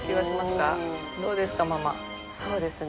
そうですね。